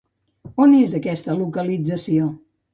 On és aquesta localització?